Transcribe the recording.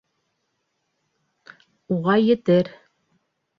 — Уға етер.